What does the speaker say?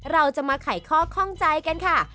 เราจะมาไขข้อข้องใจกันค่ะ